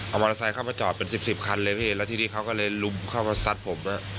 เอามอเซ้เข้ามาจอดเป็นสิบคันเลยพี่เห็นแล้วทีนี้เขาก็เลยลุมเข้ามาซัดผมครับ